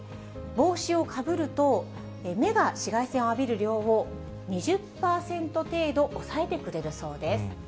帽子をかぶると、目が紫外線を浴びる量を２０％程度、抑えてくれるそうです。